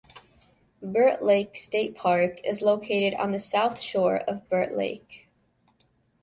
Burt Lake State Park is located on the south shore of Burt Lake.